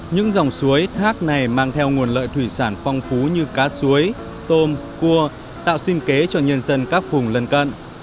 những dòng suối thác này mang theo nguồn lợi thủy sản phong phú như cá suối tôm cua tạo sinh kế cho nhân dân các vùng lân cận